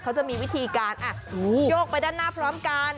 เขาจะมีวิธีการโยกไปด้านหน้าพร้อมกัน